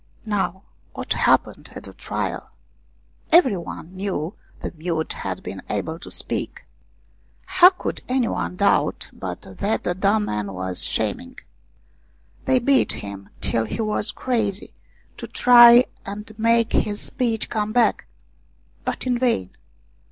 Now what happened at the trial ? Every one knew the mute had been able to speak. How could anyone doubt but that the dumb man was sham ming ? They beat him till he was crazy to try and make his speech come back, but in vain.